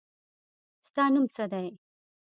ستا نوم څه دی.